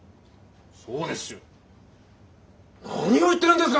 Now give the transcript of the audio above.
そうですよ。何を言ってるんですか